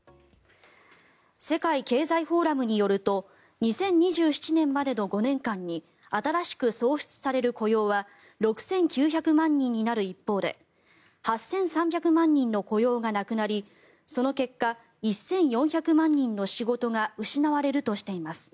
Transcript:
世界経済フォーラムによると２０２７年までの５年間に新しく創出される雇用は６９００万人になる一方で８３００万人の雇用がなくなりその結果、１４００万人の仕事が失われるとしています。